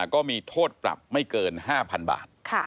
ก็มีโทษปรับไม่เกิน๕๐๐๐บาท